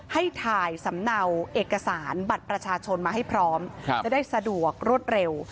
ให้ถ่ายสำเนาเอกสารบัตรประชาชนมาให้พร้อมจะได้สะดวกรวดเร็ว